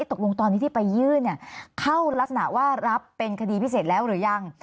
ตกลงตอนนี้ที่ไปยื่นเข้ารักษณะว่ารับเป็นคดีพิเศษแล้วหรือยัง